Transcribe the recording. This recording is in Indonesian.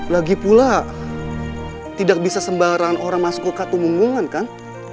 lagipula tidak bisa sembarangan orang masuk ke katumenggungan kan